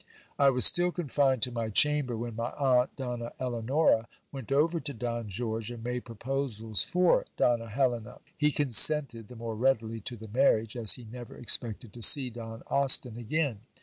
I was still confined to my chamber, when my aunt, Donna Eleonora, went over to Don George, and made proposals for Donna Helena. He consented the more readily to the marriage, as he never expected to see Don Austin again.